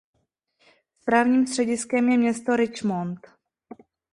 Správním střediskem je město Richmond.